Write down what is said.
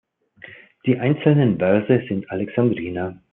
Die einzelnen Verse sind Alexandriner.